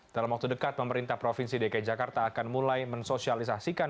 dalam waktu dekat pemerintah provinsi dki jakarta akan mulai mensosialisasikan